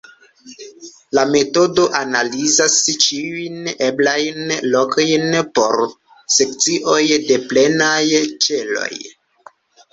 La metodo analizas ĉiujn eblajn lokojn por sekcioj de plenaj ĉeloj.